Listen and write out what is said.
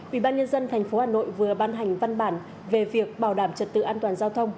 ubnd tp hà nội vừa ban hành văn bản về việc bảo đảm trật tự an toàn giao thông